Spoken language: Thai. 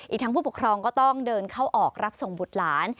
ทั้งผู้ปกครองก็ต้องเดินเข้าออกรับส่งบุตรหลาน